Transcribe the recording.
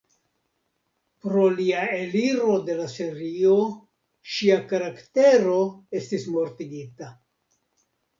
Pro lia eliro de la serio, ŝia karaktero estis mortigita.